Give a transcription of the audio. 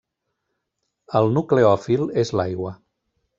El nucleòfil és l'aigua.